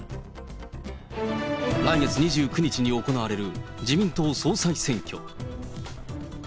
来月２９日に行われる自民党総裁選挙。